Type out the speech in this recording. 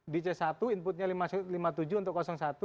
lima puluh tujuh di c satu inputnya lima puluh tujuh untuk satu